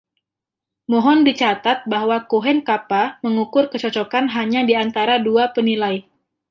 Mohon dicatat bahwa Cohen Kappa mengukur kecocokan hanya di antara dua penilai.